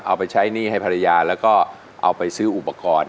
เอาไปใช้หนี้ให้ภรรยาแล้วก็เอาไปซื้ออุปกรณ์